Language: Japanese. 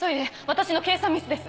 私の計算ミスです！